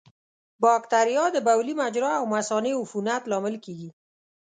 بکتریا د بولي مجرا او مثانې عفونت لامل کېږي.